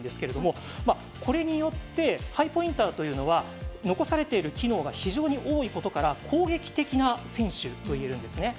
先ほどハイポインター残されている機能が非常に多いことから攻撃的な選手といえるんですね。